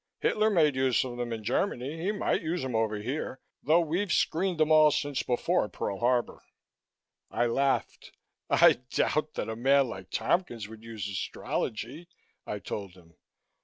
Hitler made use of them in Germany. He might use 'em over here, though we've screened 'em all since before Pearl Harbor." I laughed. "I doubt that a man like Tompkins would use astrology," I told him.